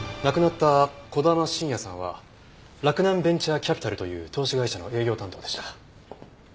亡くなった児玉慎也さんは洛南ベンチャーキャピタルという投資会社の営業担当でした。